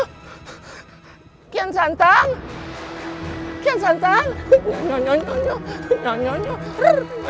aku yang membunuhnya